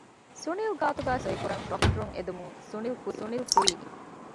ސުނިލް ގާތުގައި ސޮއިކުރަން ޑޮކުޓަރުން އެދުމުން ސުނިލް ކުރީ އިންކާރު